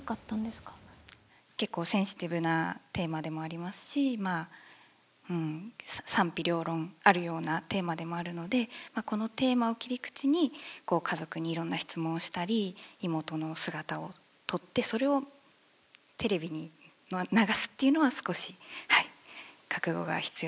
結構センシティブなテーマでもありますしまあうん賛否両論あるようなテーマでもあるのでこのテーマを切り口に家族にいろんな質問をしたり妹の姿を撮ってそれをテレビに流すっていうのは少しはい覚悟が必要だったなと。